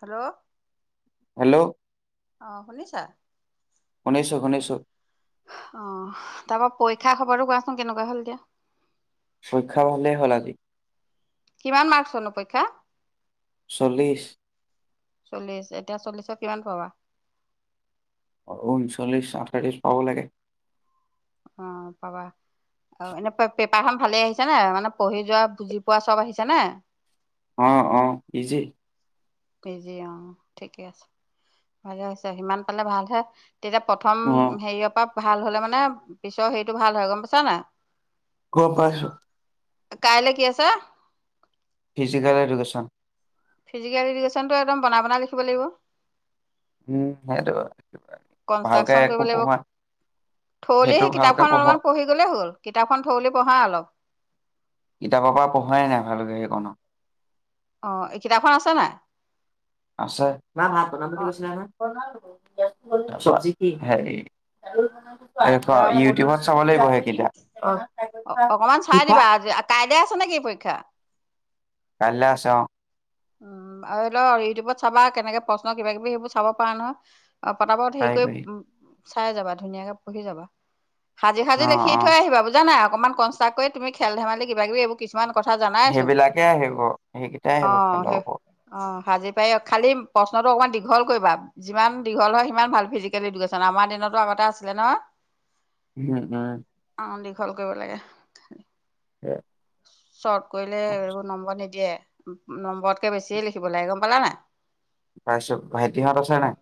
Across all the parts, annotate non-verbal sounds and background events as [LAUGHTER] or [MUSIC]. Hello hello অঁ শুনিছা? শুনিছো শুনিছো। অঁহ, তাৰপা পৰীক্ষা খবৰটো কোৱাচোন কেনেকুৱা হ'ল এতিয়া। পৰীক্ষা ভালে হ'ল আজি। কিমান মাৰ্কছৰ নো পৰীক্ষা? চল্লিশ। চল্লিশ, এতিয়া চল্লিশৰ কিমান পাবা? ঊনচল্লিশ আঠত্ৰিশ পাব লাগে। অঁ, পাবা, অঁ এনে প পেপ পেপাৰ খন ভালে আহিছে নে মানে পঢ়ি যোৱা বুজি পোৱা চব আহিছে নে? অঁ, অঁ, ইজি। ইজি অঁ, ঠিকে আছে, ভালে হৈছে সিমান পালে ভালহে তেতিয়া প্ৰথম অ হেৰিয়ৰ পা ভাল হ'লে মানে, পিছৰ হেৰিটো ভাল হয় গম পাইছা নাই? গম পাইছো। কাইলে কি আছে? Physical education. ফিজিকেল ইডুকেশ্যনতটো একদম বন বনাই লিখিব লাগিব। উম সেইটো ভালকে কনষ্ট্ৰাকচন একো কৰিব লাগিব পঢ়োৱা থোৰোলি সেইটো সেই ভালকে কিতাপখন পঢ়োৱা অলপমান পঢ়ি গলেই হ'ল, কিতাপখন থোৰোলি পঢ়া অলপ। কিতাপৰ পৰা পঢ়োৱাই নাই ভালকে এইকণো। অ' এই কিতাপখন আছে নাই? আছে। মা ভাত বনাম বুলি অ', কৈছিলা নহয়? বনালোঁ। [UNINTELLIGIBLE] এৱা পুৰা পঢ়িলো ইউটিউবত চাব লাগিব সেইকিতা। অ' অকমান চাই দিবা। আজি, কাইলে আছে নেকি পৰীক্ষা? কাইলে আছে অ'। উম আৰু লও ইউটিউবত চাবা কেনেকে প্ৰশ্ন কিবা কিবি সেইবোৰ চাব পৰা নহয়। অ' পতাপত হেইকৰি পাৰিবি চাই যাবা ধুনীয়াকে পঢ়ি যাবা। সাজি সাজি অ লিখি অ থৈ আহিবা বুজা নাই। অকমান কষ্ট কৰি তুমি খেল ধেমালি কিবা কিবোৰ এইবো কি সেইবিলাকে আহিব, সেইকেইটাই আহিব খেলত। উম অ'। ভাজি পাৰি খালি প্ৰশ্নটো অকণমান দীঘল কৰিবা যিমান দীঘল হয় সিমান ভাল ফিজিকেল এডুকেছন আমাৰ দিনতো আগতে আছিলে নহয়। উম উম। অ' দীঘল কৰিব লাগে। এ চব কৰিলে এইবোৰ নম্বৰ নিদিয়ে। নম্বৰতকে বেছিয়ে লিখিব লাগে গম পালা না। পাইছোঁ, ভাইটিহঁত আছে নাই?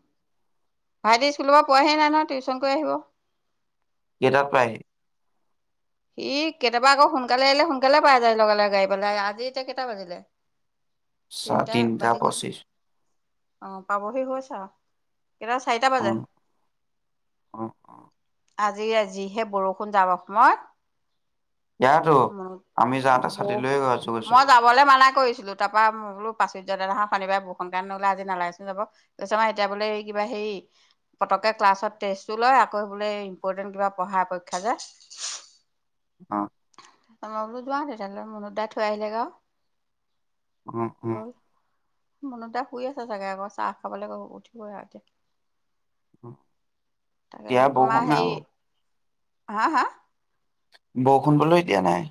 ভাইটি স্কুলৰ পা পোৱাহি নাই নহয় টিউশচন কৰি আহিব। কেইটাত পাই আহি? সি কেতিয়াবা আকৌ সোনকালে আহিলে সোনকালে পাই যায় লগাল লগে গাড়ী পেলাই আজি এতিয়া কেইটা বাজিলে ছ তিনিটা পঁচিছ। অহ পাবহি হৈছে। কেতিয়াবা চাৰিটা অ বাজে। অ অ আজি আজিহে বৰষুণ যাম সমইট। ইয়াতো আমি যাওঁতে ছাতি ব লৈয়ে গৈ আছো গৈছো। মই যাবলৈ মানা কৰিছিলো তাৰ পা মই বোলো প্ৰাচুৰ্য দাদা হ শনিবাৰে বৰষূণ কান নলে আজি নালাইছোন যাব, কৈছে অ' এতিয়া বোলে কিবা হে পতকে ক্লাছত টেষ্টটো লয় আকৌ বোলে ইম্পৰ্টেণ্ট কিবা পঢ়া পৰীক্ষা যে। অ'। ত' ম বোলো যোৱা তেতিয়াহ'লে মনুত দাই থৈ আহিলে গৈ আৰু। উম, উম। মনুদাই শুই আছ চাগে আকৌ চাহ খাবলৈ উঠিবই আৰু অ। তাকে তোমাৰ হেৰি [UNINTELLIGIBLE] হা, হা। বৰষুণ বোলো এতিয়া নাই।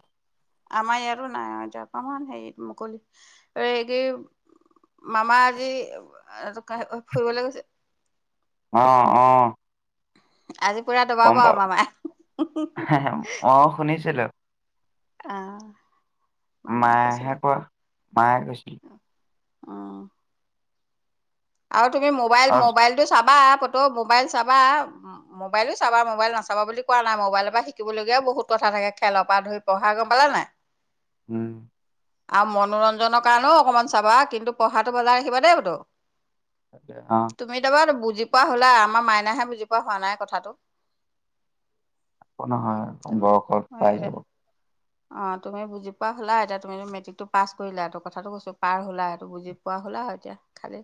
আমাৰ ইয়াতো নাই জপান হেৰিত মুকলি এই মামা আজি ফুৰিবলৈ গৈছে। অ, ' অ, '। আজি পুৰা দবাব গম আৰু পাও মামাই। অ শুনিছিলো। অহ। মায়েহে কয় মায়ে কৈছিল। অ আৰু তুমি মোবাইল অ মোবাইল টো চাবা। কতো মোবাইল চাবা মোবাইলো চাবা মোবাইল নাচাবা বুলি কোৱা নাই মোবাইলৰ পৰা শিকিবলগীয়াও বহুত কথা থাকে খেলৰ পৰা ধৰি পঢ়া গম পালা নাই। উম। আৰু মনোৰঞ্জনৰ কাৰণেও অকমান চাবা কিন্তু পঢ়াটো বজাই ৰাখিবা দেইতো তাকে, অ পুতু। তুমি এটা বাৰ বুজ বুজি পোৱা হ'লা আমাৰ মাইনাহে বুজি পোৱা হোৱা নাই কথাটো। নহয় সম্ বয়সত পাই যাব। অ তুমি বুজি পোৱা হ'লা এতিয়া তুমি মেট্ৰিকটো পাছ কৰিলা এই কথাটো কৈছো পাৰ হ'লা সেইটো বুজি পোৱা হ'লা আৰু এতিয়া খালি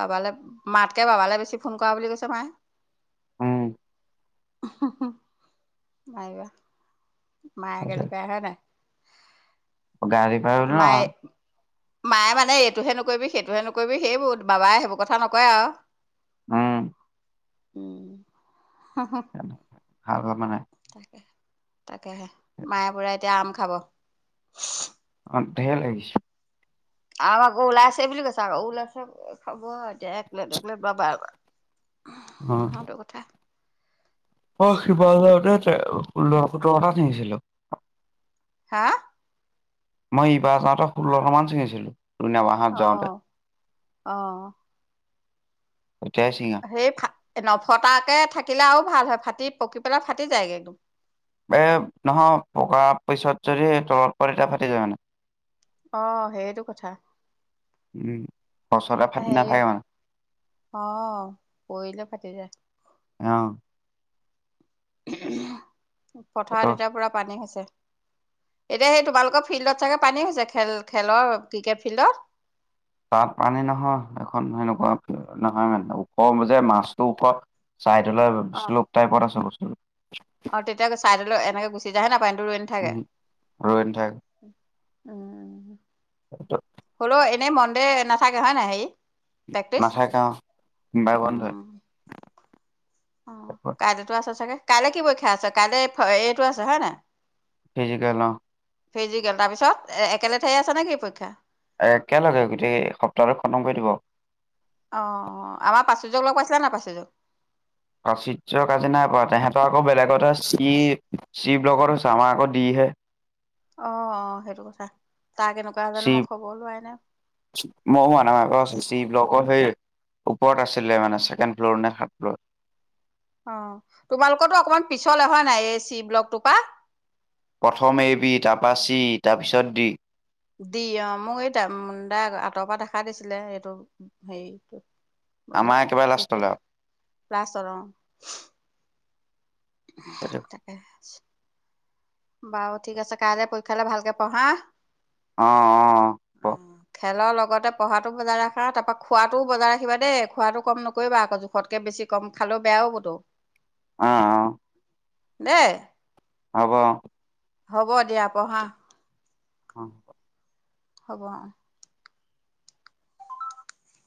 বাবালৈ মাতকে বাবালৈ বেছি ফোন কৰা বুলি কৈছ মায়ে। উম নিবা [UNINTELLIGIBLE] [UNINTELLIGIBLE] মায়ে গালি তাৰপিছত পাৰে হয় নাই গাড়ী পাই উল ন [UNINTELLIGIBLE] [UNINTELLIGIBLE] [UNINTELLIGIBLE] মায়ে মায়ে মানে এইটোহে নকৰিবি সেইটোহে নকৰিবি সেইবোৰ বাবাই সেইবোৰ কথা নকয় আৰু হম। উম। হ হা ভালল মানে [UNINTELLIGIBLE] [UNINTELLIGIBLE] [INAUDIBLE] তাকেহে মায়ে পোৰা এতিয়া আম খাব [UNINTELLIGIBLE] অ ঢেৰ লাগিছে আ আকৌ ওলাইছে বুলি কৈছে আকৌ ওলাইছে [UNINTELLIGIBLE] অ [UNINTELLIGIBLE] সেইটোকথা। অ শিৱসাগাৰতে লৰা পুতৰ কথাত থিছিলো। হা। মই এইবাৰ যাওঁতে ষোল্লটা মান ছিঙিছিলো। লুণা বাঁহত অ, যাওঁতে 'অ, ' তেতিয়াই ছিঙা সেই নফটাকে থাকিলে আৰু ভাল হয় ফাট পকী পেলাই ফাটি যায়গে এ নহয় পকা পিছত যদি তলত পৰে তেতিয়া ফাটি যায় মানে। অ' সেইটো কথা উম [INAUDIBLE] ফাটি হেৰি নাথাকে মানে অ' পৰিলে পাতি যায়। আহ উ [INAUDIBLE] [INAUDIBLE] সেইটো পথাৰত এতিয়া পুৰা পানী হৈছে। এতিয়া সেই তোমালোকৰ ফিল্ডত চাগে পানী হৈছে খেল খেলৰ ক্ৰিকেট ফিল্ডত। তাত পানী নহয় এখন সেনেকুৱা নহয় মানে ওপ যে মাজটোৰ ওপৰত চাইডলৈ শ্লোপ টাইপত আছে বস্তুটো উ [INAUDIBLE] অ' তেতিয়া ছাইডলৈ এনেকে গুচি যায় হয়নে? পানী উম ৰৈ নথাকে। উম টো [UNINTELLIGIBLE] এনেই মন্দে নাথাকে হয়নে হেৰি? প্ৰেক্টিচ? নাথাকে অ' সোমবাৰে বন্ধই। কাইলৈটো আছে চাগে? কাইলৈ কি পৰীক্ষা আছে কাইলৈ এইটো আছে হয় নাই? ফিজিকেল অ'। ফিজিকেল তাৰ পিছত এ একেলেথাৰিয়ে আছে নেকি পৰীক্ষা? এ একেলগে গোটেই সপ্তাহটো খতম কৰি দিব। অ' আমাৰ পাৰ্চুয্যক লগ পাইছানে নাই পাৰ্চুয্যক। পাৰ্চুয্যক আজি নাই পোৱা, তহাঁতৰ আকৌ বেলেগতহে চি চি ব্লগত হৈছে আমাৰ আকৌ দি হে। অ' অ' সেইটো কথা তাৰ কেনেকুৱা জানো মই শিৱ খবৰ লোৱাই নাই। ম আ ন প শিৱ লগক সেই ওপৰত আছিলে মানে ছেকেণ্ড ফ্ল'ৰ নে থাৰ্ড ফ্ল'ৰ অ' তোমালোকো অকমান পিছলে অহা নাই এই চি ব্লকটোপা প্ৰথম এবি তাৰপা চি তাৰপিছত দি দি অ' মোক তা তাই আঁতৰৰ পৰা দেখা দিছিলে এইটো হেৰিটো বুলি আমাৰ একেবাৰে লাষ্টলৈ সেইফিল আৰু প্লাছৰ সেইটো। তাকে বাও ঠিক আছে কাইলে পৰীক্ষালৈ ভালকে পঢ়া অ' অ' ক খেলৰ লগতে পঢ়াটো বজাই ৰখা তাৰপা খোৱাটোও বজাই ৰাখিবা দেই খোৱাটো কম নকৰিবা আকৌ জোখতকৈ বেছি কম খালেও বেয়া হ'বতো অ' অ' দে হ'ব হ'ব। দিয়া বঢ়া। অঁ। হ'ব।